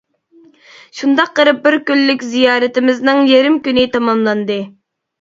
شۇنداق قىلىپ بىر كۈنلۈك زىيارىتىمىزنىڭ يېرىم كۈنى تاماملاندى.